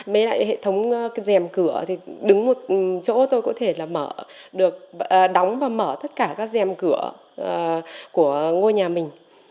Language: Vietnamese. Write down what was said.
mới lại hệ thống dèm cửa đứng một chỗ tôi có thể đóng và mở tất cả các dèm cửa của ngôi nhà mình